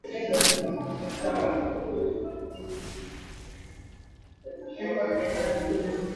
কাদের মোল্লার বিচারপ্রক্রিয়া সম্পূর্ণ সরকার-নির্দেশিত ছকে পরিচালিত হয়েছে বলেও অভিযোগ করেন তিনি।